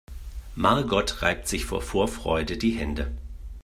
Margot reibt sich vor Vorfreude die Hände.